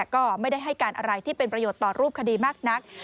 ก็ไม่ได้ให้การอะไรที่เป็นประโยชน์ต่อรูปคดีมากนัก